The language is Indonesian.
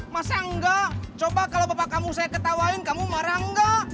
masa enggak coba kalau bapak kamu saya ketawain kamu marah enggak